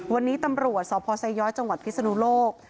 วันนี้ตำรวจสพไซย้อยจพิสุนุโลก